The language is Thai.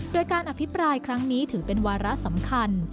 โดยการอภิปรายครั้งนี้ถือเป็นวาระสำคัญ